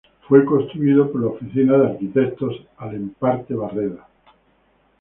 Fue construido por la oficina de arquitectos Alemparte Barreda.